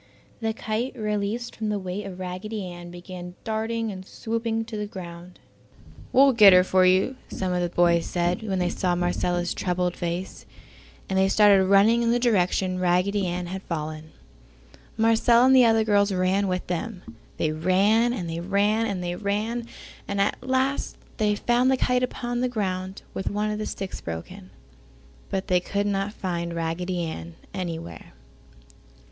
The kite, released from the weight of Raggedy Ann began darting and swooping to the ground. "We'll get her for you!" some of the boys said when they saw Marcella's troubled face, and they started running in the direction Raggedy Ann had fallen. Marcella and the other girls ran with them. They ran, and they ran, and they ran, and at last they found the kite upon the ground with one of the sticks broken, but they could not find Raggedy Ann anywhere.